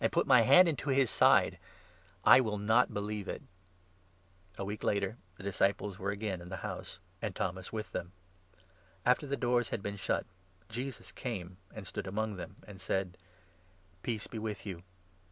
put my hand into his side, I will not believe it." A week later the disciples were again in the house, and 26 Thomas with them. After the doors had been shut, Jesus came and stood among them, and said: "Peace be with you."